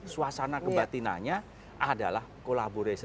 suasana kebatinannya adalah kolaborasi